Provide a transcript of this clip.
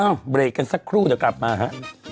เบรกกันสักครู่เดี๋ยวกลับมาฮะ